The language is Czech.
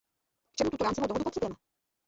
K čemu tuto rámcovou dohodu potřebujeme?